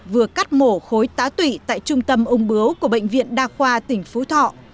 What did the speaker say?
vừa cắt mổ khối tá tụy tại trung tâm ung bướu của bệnh viện đa khoa tỉnh phú thọ